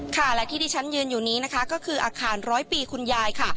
ค่ะและที่ที่ฉันยืนอยู่นี้นะคะก็คืออาคารร้อยปีคุณยายค่ะ